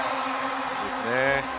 いいですね。